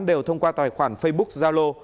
đều thông qua tài khoản facebook zalo